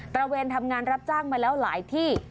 ระเวนทำงานรับจ้างมาแล้วหลายที่